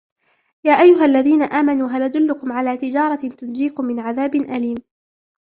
يَا أَيُّهَا الَّذِينَ آمَنُوا هَلْ أَدُلُّكُمْ عَلَى تِجَارَةٍ تُنْجِيكُمْ مِنْ عَذَابٍ أَلِيمٍ